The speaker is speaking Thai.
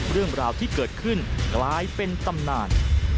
เรื่องราวที่เกิดขึ้นกลายเป็นตำนาน